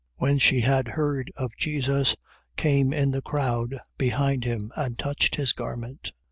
When she had heard of Jesus, came in the crowd behind him, and touched his garment.